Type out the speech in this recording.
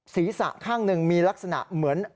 ศีรษะข้างหนึ่งมีลักษณะเหมือน